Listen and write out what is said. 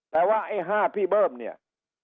แต่ว่าไอ้๕พี่เบิ้มเนี่ย